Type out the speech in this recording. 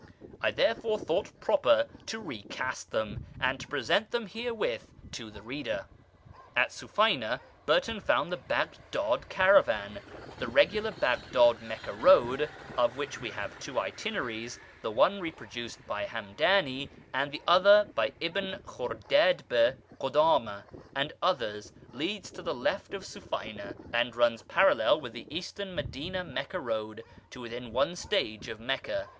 I therefore thought proper to recast them, and to present them herewith to the reader. At Sufayna, Burton found the Baghdad Caravan. The regular Baghdad Meccah Road, of which we have two itineraries, the one reproduced by Hamdany and the other by Ibn Khordadbeh, Qodama, and others, keeps to the left of Sufayna, and runs parallel with the Eastern Madina Meccah Road to within one stage of Meccah.